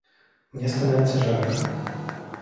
Мне становится жарко.